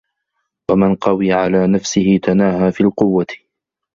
مَنْ قَوِيَ عَلَى نَفْسِهِ تَنَاهَى فِي الْقُوَّةِ